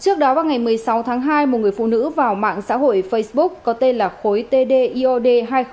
trước đó vào ngày một mươi sáu tháng hai một người phụ nữ vào mạng xã hội facebook có tên là khối tdiod hai nghìn hai mươi ba